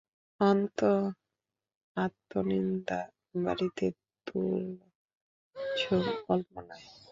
অন্তু, আত্মনিন্দা বাড়িয়ে তুলছ কল্পনায়।